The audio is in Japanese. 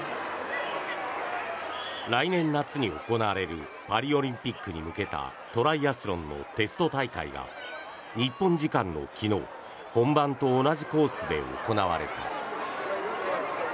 来年夏に行われるパリオリンピックに向けたトライアスロンのテスト大会が日本時間の昨日本番と同じコースで行われた。